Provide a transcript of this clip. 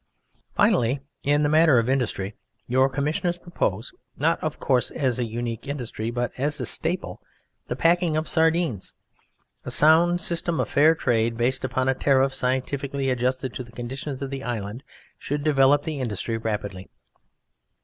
Finally, in the matter of industry your Commissioners propose (not, of course, as a unique industry but as a staple) the packing of sardines. A sound system of fair trade based upon a tariff scientifically adjusted to the conditions of the Island should develop the industry rapidly.